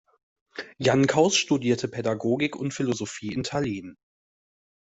Jan Kaus studierte Pädagogik und Philosophie in Tallinn.